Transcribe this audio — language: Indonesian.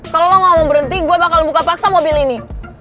kalau lo gak mau berhenti gue bakal buka paksa mobil ini